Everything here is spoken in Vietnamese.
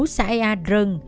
xã ea rừng